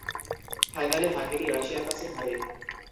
ফাইনালে হাঙ্গেরি রাশিয়ার কাছে হারে।